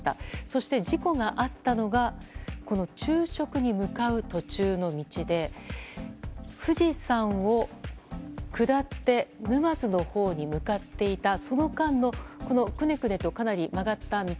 そして、事故があったのがこの昼食に向かう途中の道で富士山を下って沼津のほうへ向かっていたその間のくねくねとかなりまがった道。